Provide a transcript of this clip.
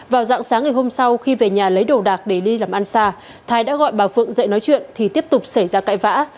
vào dạng sáng ngày hôm sau khi về nhà lấy đồ đạc để đi làm ăn xa thái đã gọi bà phượng dậy nói chuyện thì tiếp tục xảy ra cãi vã